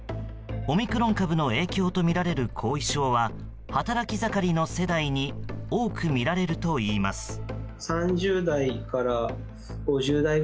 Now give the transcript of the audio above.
オミクロン株の影響とみられる後遺症は働き盛りの世代に多く見られるといいます。